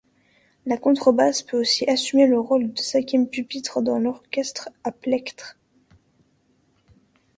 La contrebasse peut aussi assumer le rôle de cinquième pupitre, dans l'orchestre à plectre.